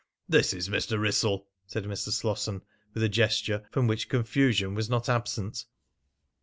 "This is Mr. Wrissell," said Mr. Slosson with a gesture from which confusion was not absent.